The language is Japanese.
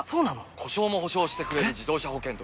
故障も補償してくれる自動車保険といえば？